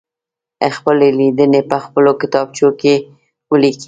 خپلې لیدنې په خپلو کتابچو کې ولیکئ.